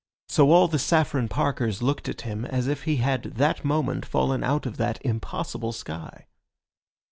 So all the Saffron Parkers looked at him as if he had that moment fallen out of that impossible sky.